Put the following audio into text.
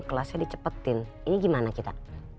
kelasnya dicepetin ini gimana kita